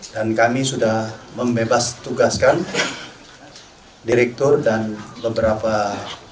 dan kami sudah membebas tugaskan direktur dan beberapa pejabat di fjp jakarta